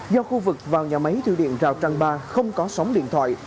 do khu vực vào nhà máy thủy điện rào trăng ba không có sóng điện thoại